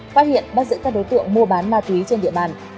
phát hiện bắt giữ các đối tượng mua bán ma túy trên địa bàn